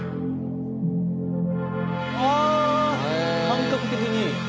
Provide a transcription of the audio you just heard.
感覚的に。